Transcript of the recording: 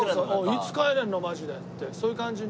「いつ帰れるの？マジで」ってそういう感じになってくる。